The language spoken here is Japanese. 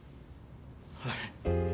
はい。